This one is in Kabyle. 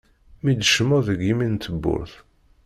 Mi d-tkecmeḍ deg yimi n tewwurt.